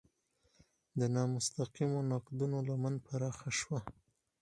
د نامستقیمو نقدونو لمن هم پراخه شوه.